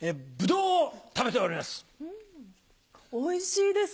うんおいしいです！